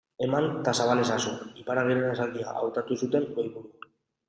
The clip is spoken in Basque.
Eman eta zabal ezazu, Iparragirreren esaldia, hautatu zuten goiburu.